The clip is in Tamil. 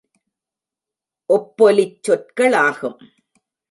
ஒப்பொலிச் சொற்களாகும்.